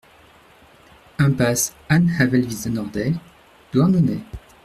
Impasse An Avel Viz Nordet, Douarnenez